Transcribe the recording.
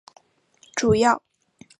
主要村落为斜古丹。